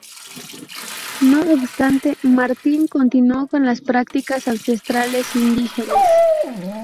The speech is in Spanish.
No obstante, Martín continuo con las prácticas ancestrales indígenas.